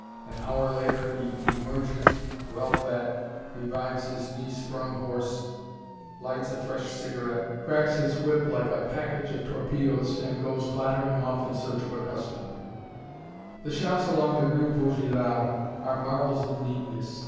An hour later he emerges, well fed, revives his knee sprung horse, lights a fresh cigarette, cracks his whip like a package of torpedoes, and goes clattering off in search of a customer. [Illustration: (rooftop)] The shops along the rue Vaugirard are marvels of neatness.